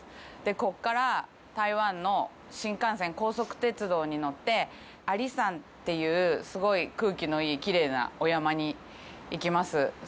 ここから台湾の新幹線、高速鉄道に乗って、阿里山というすごい空気のいいきれいなお山に行きます。